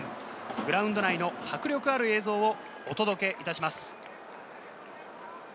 グラウンド内の迫力ある映像をお届けいたします。